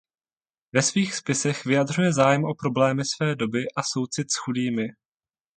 Ve svých spisech vyjadřuje zájem o problémy své doby a soucit s chudými.